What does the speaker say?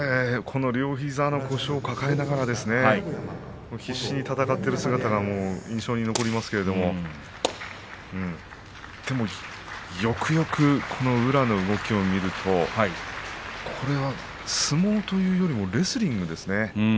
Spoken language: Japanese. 両膝の故障を抱えながら必死に戦っている姿が印象に残りますけれどもよくよく宇良の動きを見ると相撲というよりもレスリングですね。